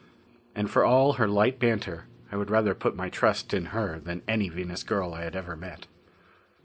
And for all her light banter, I would rather put my trust in her than any Venus girl I had ever met.